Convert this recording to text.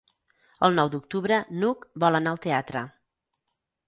El nou d'octubre n'Hug vol anar al teatre.